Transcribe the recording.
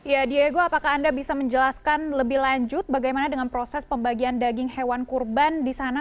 ya diego apakah anda bisa menjelaskan lebih lanjut bagaimana dengan proses pembagian daging hewan kurban di sana